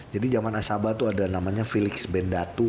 jadi jaman asaba tuh ada namanya felix bendatu